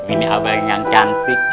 ini abang yang cantik